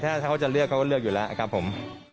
ถ้าเขาจะเลือกเขาก็เลือกอยู่แล้วครับผม